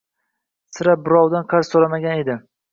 Sira birovdan qarz so‘ramagan edi